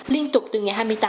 liên tục từ ngày hai mươi ba h